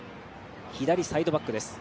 左サイドバックです。